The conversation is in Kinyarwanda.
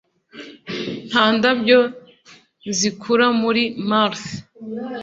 Nta ndabyo zikura kuri Mars.